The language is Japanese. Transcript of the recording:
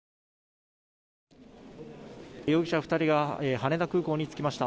容疑者２人が羽田空港に着きました。